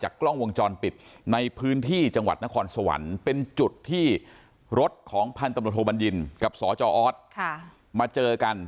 ก็คือรถของพันธมธโมโทบัญญินกับสอมาเจอกัน